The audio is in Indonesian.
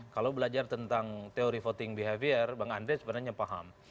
kalau belajar tentang teori voting behavior bang andre sebenarnya paham